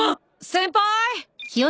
先輩？